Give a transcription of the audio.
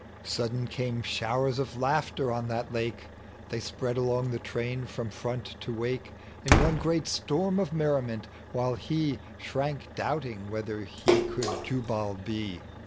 Sudden came showers of laughter on that lake ; They spread along the train tVom iVont to wake In one great itorm of merriment, while he Shrank doubting whithei he could Jubal be.